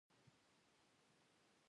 د کرنې عصري وسایل د کار کیفیت ښه کوي.